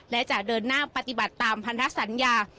และจะเดินหน้าปฏิบัติตามพันธสัญญา